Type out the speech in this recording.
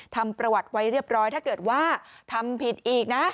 ทำประวัติไว้เรียบร้อยถ้าเกิดว่าทำผิดอีกนะ